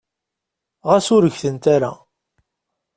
Ɣas ur gtent ara.